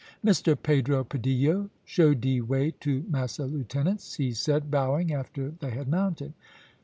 "Mr Pedro Padillo show dee way to Massa Lieutenants," he said, bowing after they had mounted.